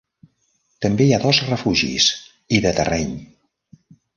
També hi ha dos refugis, i de terreny.